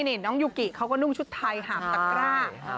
นี่น้องยูกิเขาก็นุ่งชุดไทยหาบตะกร้า